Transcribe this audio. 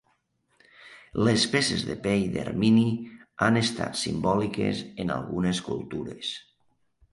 Les peces de pell d'ermini han estat simbòliques en algunes cultures.